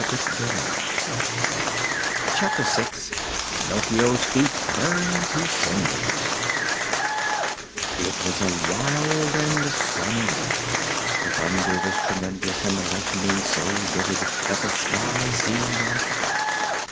CHAPTER VI PINOCCHIO'S FEET BURN TO CINDERS It was a wild and stormy night. The thunder was tremendous and the lightning so vivid that the sky seemed on fire.